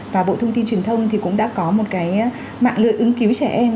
và bộ thông tin truyền thông thì cũng đã có một cái mạng lưới ứng cứu trẻ em